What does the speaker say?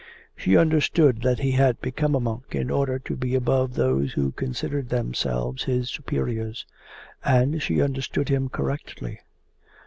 She understood that he had become a monk in order to be above those who considered themselves his superiors. And she understood him correctly.